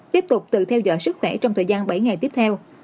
tiếp tục tự theo dõi sức khỏe trong thời gian bảy ngày tiếp theo